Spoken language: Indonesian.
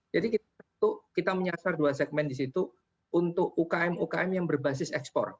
jadi kita menyasar dua segmen di situ untuk ukm ukm yang berbasis export